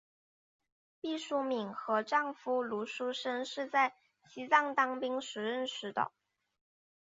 毕淑敏和丈夫芦书坤是在西藏当兵时认识的。